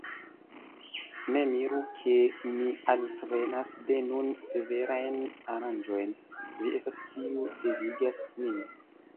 Ne miru, ke mi alprenas de nun severajn aranĝojn: vi estas, kiu devigas min.